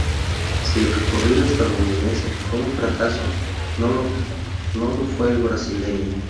Si el recorrido estadounidense fue un fracaso, no lo fue el brasileño.